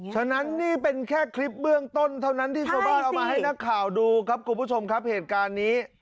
ฉะนั้นนี่เป็นแค่คลิปเบื้องต้นเท่านั้นที่ชาวบ้านเอามาให้นักข่าวดูครับคุณผู้ชมครับเหตุการณ์นี้